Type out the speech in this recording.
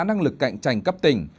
năng lực cạnh tranh cấp tỉnh